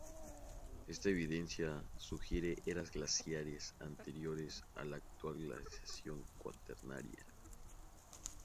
Esta evidencia sugiere eras glaciares anteriores a la actual glaciación cuaternaria.